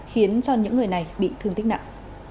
khiến cho những người này bị thương tích nặng